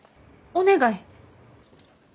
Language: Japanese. お願い。